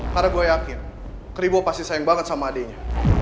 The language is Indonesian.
karena gue yakin keribu pasti sayang banget sama adeknya